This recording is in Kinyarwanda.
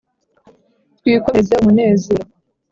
twikomereze umunezero;